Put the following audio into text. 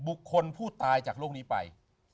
บุคคลผู้ตายจากโลกนี้ไป